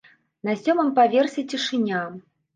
На сёмым паверсе цішыня.